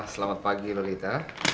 selamat pagi lolita